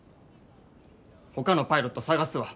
ほかのパイロット探すわ。